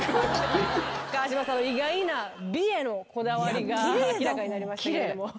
川島さんの意外な美へのこだわりが明らかになりましたけれども。